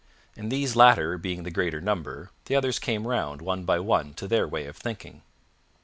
And these latter being the greater number, the others came round, one by one to their way of thinking.